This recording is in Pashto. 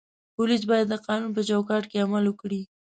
پولیس باید د قانون په چوکاټ کې عمل وکړي.